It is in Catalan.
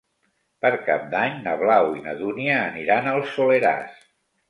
Per Cap d'Any na Blau i na Dúnia aniran al Soleràs.